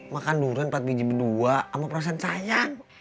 makan durian empat biji berdua ama perasaan sayang